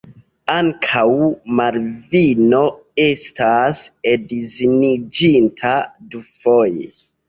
Ankaŭ Malvino estas edziniĝinta dufoje.